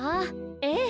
ええ。